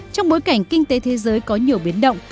trong bối cảnh kinh tế thế giới có nhiều biến động